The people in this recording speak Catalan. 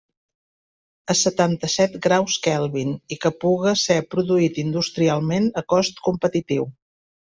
A setanta-set graus Kelvin i que puga ser produït industrialment a cost competitiu.